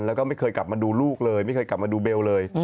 แล้วก็ไม่เคยกลับมาดูลูกเลยไม่เคยกลับมาดูเบลเลย